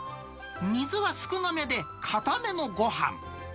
水は少なめで、硬めのごはん。